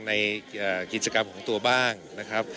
ในกิจกรรมของตัวบ้างนะครับ